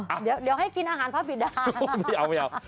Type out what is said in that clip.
โอ้เดี๋ยวให้กินอาหารพระผิดาไม่เอา